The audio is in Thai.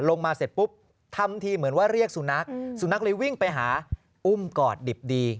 ลงมาเสร็จปุ๊บทำทีเหมือนว่าเรียกสุนัขสุนัขเลยวิ่งไปหาอุ้มกอดดิบดี